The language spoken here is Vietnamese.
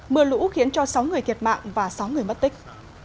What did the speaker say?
mưa lũ khiến cho sáu người thiệt mạng và sáu người mất tích